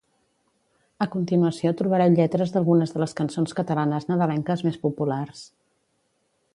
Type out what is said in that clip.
A continuació trobareu lletres d'algunes de les cançons catalanes nadalenques més populars